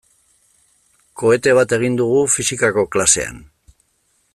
Kohete bat egin dugu fisikako klasean.